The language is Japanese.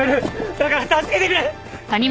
だから助けてくれ！